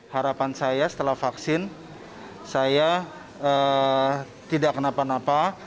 harapan saya setelah vaksin saya tidak kenapa napa